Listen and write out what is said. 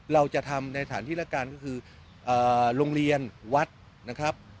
เราจะทำในสถานที่ละกันก็คือโรงเรียนวัดนะครับ